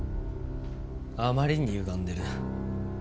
あまりに歪んでる。